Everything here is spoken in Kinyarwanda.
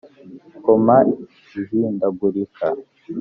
koma ihindagurika